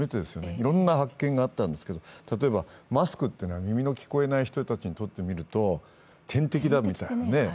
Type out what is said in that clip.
いろいろな発見があったんですけど例えばマスクというのは耳の聞こえない人たちにとってみると天敵だみたいに。